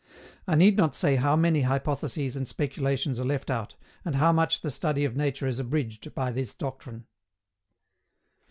I need not say how many hypotheses and speculations are left out, and how much the study of nature is abridged by this doctrine.